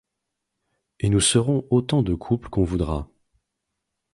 Et nous serons autant de couples qu'on voudra.